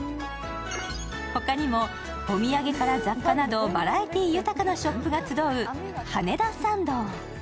他にも、お土産から雑貨などバラエティー豊かなショップが集う羽田参道。